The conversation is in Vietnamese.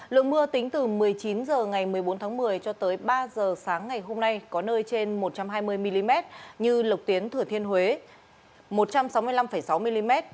lượng mưa tính từ một mươi chín h ngày một mươi bốn tháng một mươi cho tới ba h sáng ngày hôm nay có nơi trên một trăm hai mươi mm như lộc tiến thừa thiên huế một trăm sáu mươi năm sáu mm